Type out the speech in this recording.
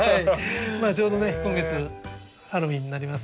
ちょうどね今月ハロウィーンになりますけど。